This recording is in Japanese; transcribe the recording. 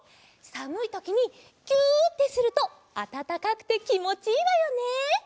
さむいときにぎゅってするとあたたかくてきもちいいわよね！